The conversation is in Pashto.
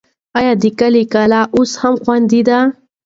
آیا د کلي کلا اوس هم خوندي ده؟